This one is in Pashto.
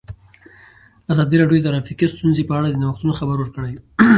ازادي راډیو د ټرافیکي ستونزې په اړه د نوښتونو خبر ورکړی.